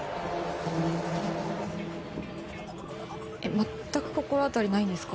全く心当たりないんですか？